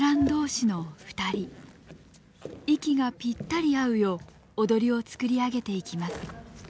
息がぴったり合うよう踊りをつくり上げていきます。